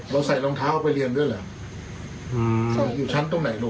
เราใส่รองเท้าไปเรียนด้วยเหรออืมอยู่ชั้นตรงไหนหนู